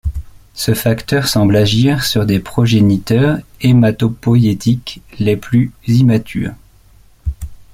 Ce facteur semble agir sur les progéniteurs hématopoïétiques les plus immatures.